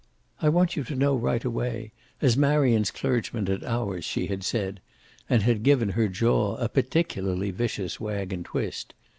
"I want you to know right away, as Marion's clergyman, and ours," she had said, and had given her jaw a particularly vicious wag and twist.